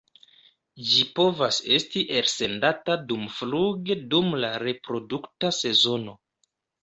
Ĝi povas esti elsendata dumfluge dum la reprodukta sezono.